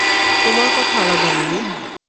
তোমার কথা আলাদা, মিমি।